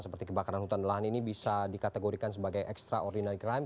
seperti kebakaran hutan dan lahan ini bisa dikategorikan sebagai extraordinary crime